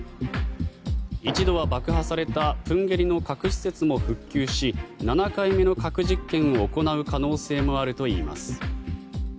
一度は爆破された豊渓里の核施設も復旧し７回目の核実験を行う可能性もあるといいます。